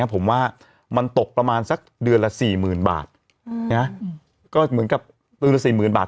คือผมว่ามันตกประมาณสักเดือนละ๔๐๐๐๐บาท